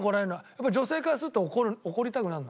やっぱ女性からすると怒りたくなるの？